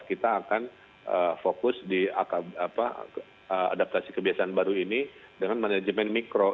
kita akan fokus di adaptasi kebiasaan baru ini dengan manajemen mikro